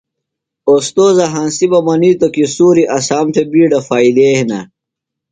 اوستوذہ ہنسیۡ بہ منِیتوۡ کی سُوریۡ اسام تھےۡ بِیڈہ فائدے ہِنہ۔